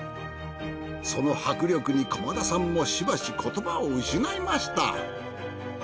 その迫力に駒田さんもしばし言葉を失いました。